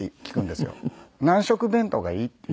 「何色弁当がいい？」っていう。